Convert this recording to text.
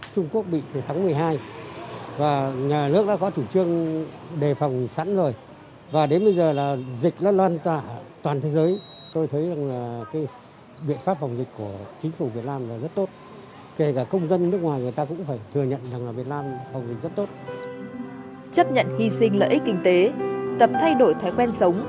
chấp nhận hy sinh lợi ích kinh tế tập thay đổi thói quen sống